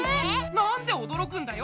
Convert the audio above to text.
なんでおどろくんだよ？